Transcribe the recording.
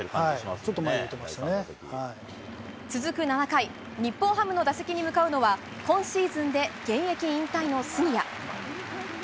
続く７回、日本ハムの打席に向かうのは、今シーズンで現役引退の杉谷。